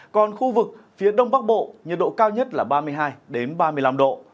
còn khu vực phía đông bắc bộ nhiệt độ cao nhất là ba mươi hai ba mươi năm độ